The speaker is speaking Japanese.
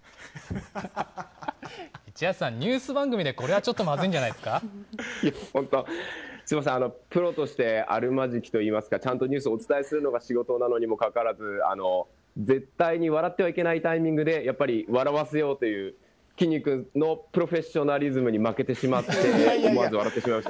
一橋さん、ニュース番組で、これはちょっとまずいんじゃないいや、本当、すみません、プロとしてあるまじきといいますか、ちゃんとニュースをお伝えするのが仕事なのにもかかわらず、絶対に笑ってはいけないタイミングで、やっぱり笑わせようという、きんに君のプロフェッショナリズムに負けてしまって、思わず笑ってしまいました。